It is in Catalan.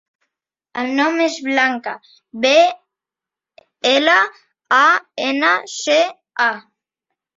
El nom és Blanca: be, ela, a, ena, ce, a.